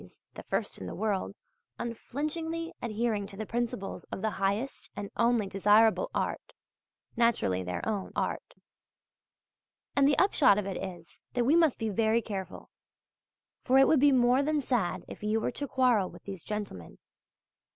's (the first in the world) unflinchingly adhering to the principles of the highest and only desirable art (naturally their own art). And the upshot of it is, that we must be very careful; for it would be more than sad if you were to quarrel with these gentlemen.